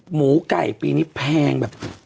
หมูไก่ปีนี้แพงแบบ